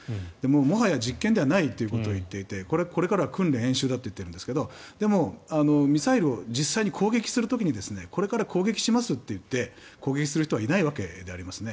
もはや実験ではないということを言っていてこれからは訓練・演習だといっているんですがでも、ミサイルを実際に攻撃する時にこれから攻撃しますと言って攻撃する人はいないわけでありますね。